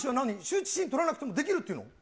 羞恥心取らなくてもできるっていうの？